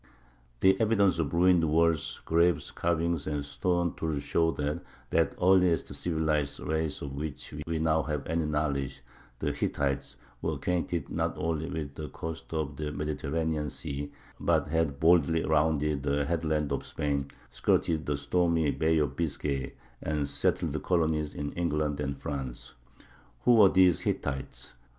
The evidences of ruined walls, graves, carvings, and stone tools show that that earliest of civilized races of which we now have any knowledge—the Hittites—were acquainted not only with the coasts of the Mediterranean Sea, but had boldly rounded the headlands of Spain, skirted the stormy Bay of Biscay, and settled colonies in England and France. Who were these Hittites?